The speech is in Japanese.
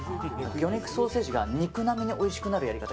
魚肉ソーセージが肉並みにおいしくなるやり方